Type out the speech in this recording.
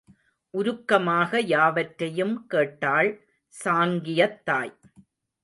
உருக்கமாக யாவற்றையும் கேட்டாள், சாங்கியத் தாய்.